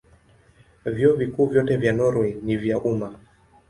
Vyuo Vikuu vyote vya Norwei ni vya umma.